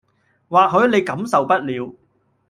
或許你感受不了